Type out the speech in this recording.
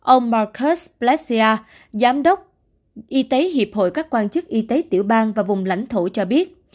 ông markets plasia giám đốc y tế hiệp hội các quan chức y tế tiểu bang và vùng lãnh thổ cho biết